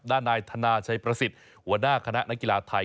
ด้านนายธนาชัยประสิทธิ์หัวหน้าคณะนักกีฬาไทย